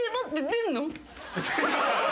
出んの？